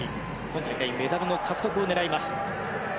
今大会メダルの獲得を狙います。